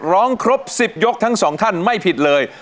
ร้องครบ๑๐ยกทั้งสองท่านไม่ผิดเลย